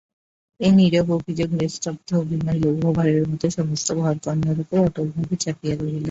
এই নীরব অভিযোগ নিস্তব্ধ অভিমান লৌহভারের মতো সমস্ত ঘরকন্নার উপর অটলভাবে চাপিয়া রহিল।